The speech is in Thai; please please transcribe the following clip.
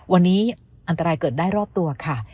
วันนี้อันตรายเกิดได้รอบตัวค่ะ